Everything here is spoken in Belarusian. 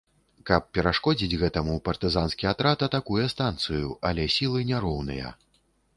Каб перашкодзіць гэтаму, партызанскі атрад атакуе станцыю, але сілы няроўныя.